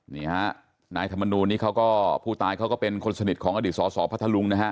นี่ฮะนายธรรมนูลนี้เขาก็ผู้ตายเขาก็เป็นคนสนิทของอดีตสสพัทธลุงนะฮะ